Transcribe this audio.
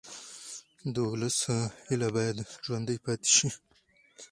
د ولس هیله باید ژوندۍ پاتې شي